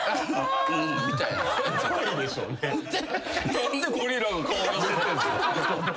何でゴリラが顔寄せてんすか。